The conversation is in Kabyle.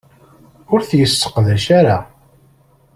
Ur t-yesseqdac ara.